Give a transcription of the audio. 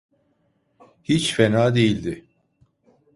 Hiç fena değildi.